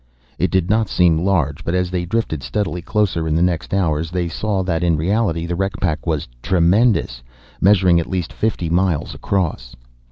It did not seem large, but, as they drifted steadily closer in the next hours, they saw that in reality the wreck pack was tremendous, measuring at least fifty miles across.